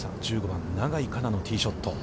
１５番、永井花奈のティーショット。